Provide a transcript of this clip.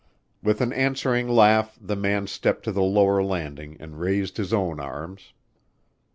With an answering laugh the man stepped to the lower landing and raised his own arms.